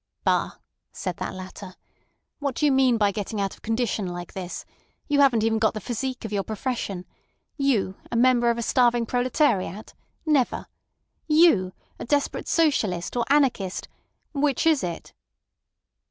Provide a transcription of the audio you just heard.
"Bah!" said that latter. "What do you mean by getting out of condition like this? You haven't got even the physique of your profession. You—a member of a starving proletariat—never! You—a desperate socialist or anarchist—which is it?"